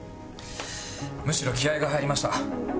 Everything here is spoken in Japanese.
むしろ気合が入りました。